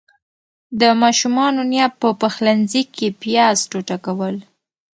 د ماشومانو نيا په پخلنځي کې پياز ټوټه کول.